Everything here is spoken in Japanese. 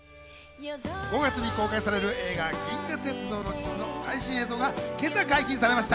５月に公開される映画『銀河鉄道の父』の最新映像が今朝、解禁されました。